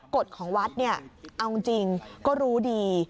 กฎของวัดเอาจริงก็รู้ดี